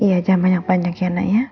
iya jangan banyak banyak ya nak ya